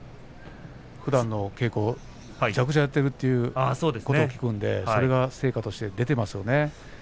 ふだんの稽古をむちゃくちゃやっているということを聞くのでそれが成果として出ていますね。